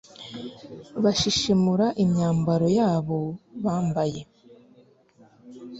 bashishimura imyambaro yabo bambaye